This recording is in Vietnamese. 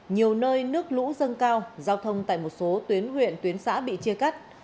nhiều nơi nước lũ dâng cao giao thông tại một số tuyến huyện tuyến xã bị chia cắt